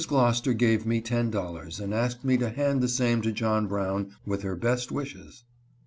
Glocester gave me ten dollars, and asked me to hand the same to John Brown, with her best wishes.